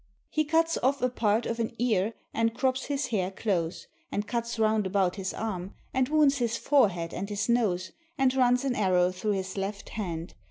He cuts off a part of an ear, and crops his hair close, and cuts round about his arm, and wounds his forehead and his nose, and runs an arrow through his left hand.